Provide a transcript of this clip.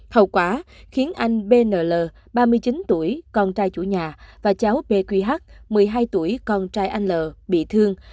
hậu quả khiến anh bnl ba mươi chín tuổi con trai chủ nhà và cháu bqh một mươi hai tuổi con trai anh l bị thương